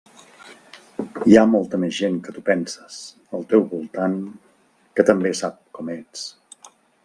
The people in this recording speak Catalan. Hi ha molta més gent que tu penses, al teu voltant, que també sap com ets.